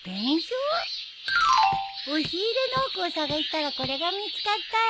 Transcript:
押し入れの奥を探したらこれが見つかったよ。